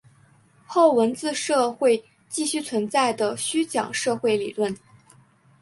后文字社会继续存在的虚讲社会理论。